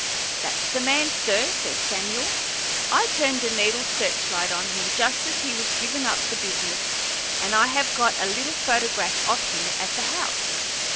"That's the man, sir," said Samuel. "I turned a needle searchlight on him just as he was givin' up the business, and I have got a little photograph of him at the house.